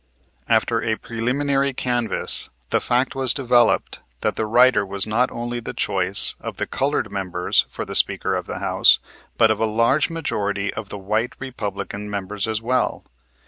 After a preliminary canvass the fact was developed that the writer was not only the choice of the colored members for Speaker of the House, but of a large majority of the white Republican members as well.